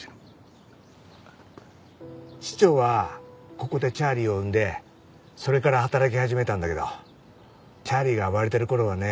師長はここでチャーリーを産んでそれから働き始めたんだけどチャーリーが暴れてる頃はね